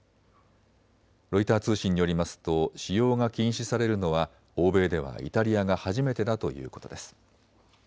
ロイター通信によりますと使用が禁止されるのは欧米ではイタリアが初めてだということです。